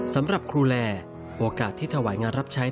สำหรับครูแลโอกาสที่ถวายงานรับใช้